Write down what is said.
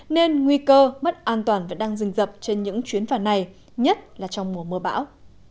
nên nguy cơ mất an toàn vẫn đang dình dập trên những chuyến phà này nhất là trong mùa mưa bão